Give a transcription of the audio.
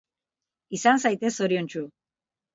Izan zaitez zoriontsu